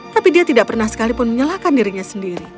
tapi dia tidak pernah sekalipun menyalahkan dirinya sendiri